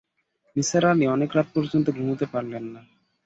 নিসার আলি অনেক রাত পর্যন্ত ঘুমুতে পারলেন না।